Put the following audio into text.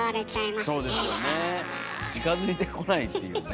近づいてこないっていうね